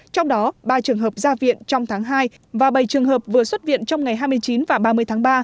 trong đó ba trường hợp ra viện trong tháng hai và bảy trường hợp vừa xuất viện trong ngày hai mươi chín và ba mươi tháng ba